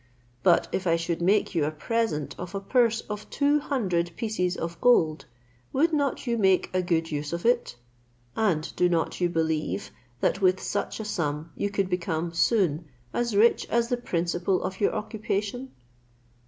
But if I should make you a present of a purse of two hundred pieces of gold, would not you make a good use of it? and do not you believe, that with such a sum you could become soon as rich as the principal of your occupation?"